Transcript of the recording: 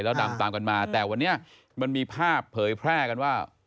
วันนี้มันมีภาพเผยแพร่กันว่า